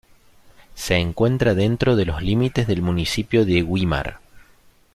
Se encuentra dentro de los límites del municipio de Güímar.